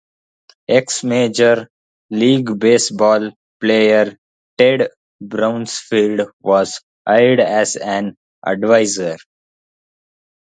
Ex-Major League Baseball Player Ted Bowesfield was hired as an adviser.